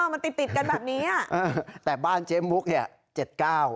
มันติดติดกันแบบนี้อ่ะเออแต่บ้านเจ๊มุกเนี่ยเจ็ดเก้า